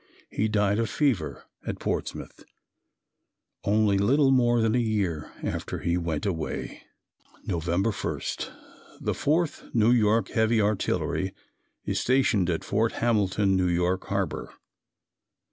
He died of fever at Portsmouth, only little more than a year after he went away. November 1. The 4th New York Heavy Artillery is stationed at Fort Hamilton, N. Y. harbor.